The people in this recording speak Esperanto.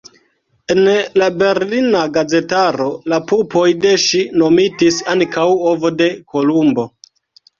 En la berlina gazetaro la pupoj de ŝi nomitis ankaŭ "ovo de Kolumbo".